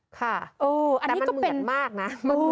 ค่ะแต่มันเหมือนมากนะ